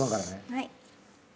はい。